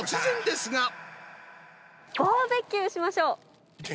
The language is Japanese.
バーベキューしましょう。